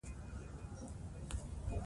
عطايي د ژبې د ښکلا ساتنه کړې ده.